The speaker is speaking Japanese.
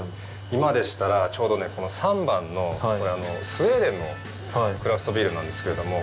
今でしたら、ちょうどね、この３番のスウェーデンのクラフトビールなんですけれども。